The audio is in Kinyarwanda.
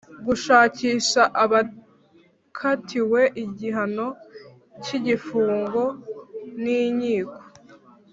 Gushakisha abakatiwe igihano cy’igifungo n’Inkiko